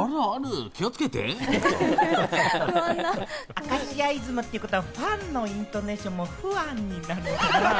明石家イズムってことは、「ファン」のイントネーションも「フアン」になるのかな？